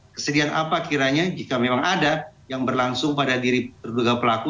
kesedihan apa kiranya jika memang ada yang berlangsung pada diri terduga pelaku